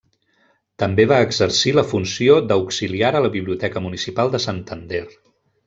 També va exercir la funció d'auxiliar a la Biblioteca Municipal de Santander.